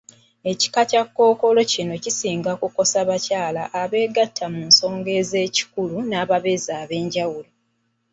Ekika Kya kkookolo kino kisinga kukosa bakyala abeegatta mu nsonga z'ekikulu n'ababeezi ab'enjawulo.